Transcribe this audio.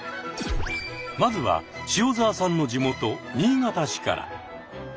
まずは塩澤さんの地元新潟市から。